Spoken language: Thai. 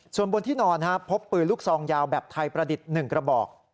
ส่วนบนที่นอนพบปืนลูกซองยาวแบบไทยประดิษฐ์๑กระบอก